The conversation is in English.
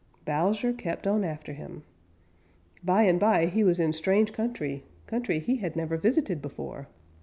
Bowser kept on after him. By and by he was in strange country, country he had never visited before.